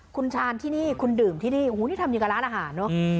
คุณทานที่นี่คุณดื่มที่นี่นี่ทำอยู่กับร้านอาหาร